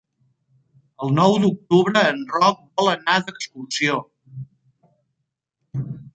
El nou d'octubre en Roc vol anar d'excursió.